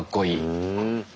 うん。